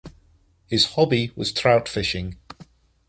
His hobby was trout fishing.